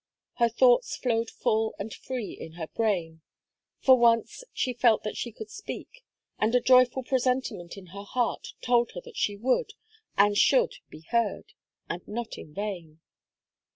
Her thoughts flowed full and free in her brain; for once, she felt that she could speak; and a joyful presentiment in her heart told her that she would, and should be heard and not in vain.